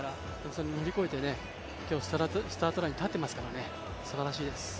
それを乗り越えて、今日スタートラインに立っていますからね、すばらしいです。